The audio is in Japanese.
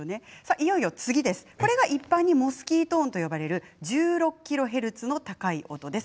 いよいよ次、一般にモスキート音と呼ばれる１６ｋＨｚの高い音です。